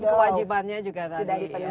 dan kewajibannya juga tadi ya